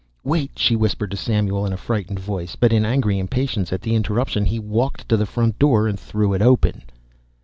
"Wait!" she whispered to Samuel, in a frightened voice, but in angry impatience at the interruption he walked to the front door and threw it open.